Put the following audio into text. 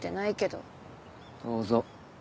どうぞ。